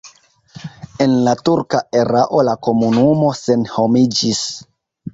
En la turka erao la komunumo senhomiĝis.